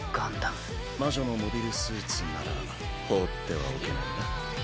魔女のモビルスーツなら放ってはおけないな。